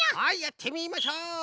はいやってみましょう。